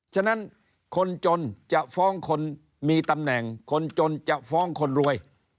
ฉะนั้นคนจนจะฟ้องคนมีตำแหน่งคนจนจะฟ้องคนรวย